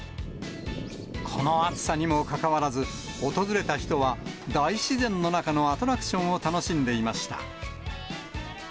この暑さにもかかわらず、訪れた人は、大自然の中のアトラクションを楽しんでいました。